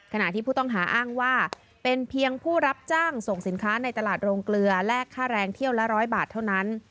ขณะที่ผู้ต้องหาอ้างว่าเป็นเพียงผู้รับจ้างส่งสินค้าในตลาดโรงเกลือแลกค่าแรงเที่ยวละ๑๐๐บาทเท่านั้น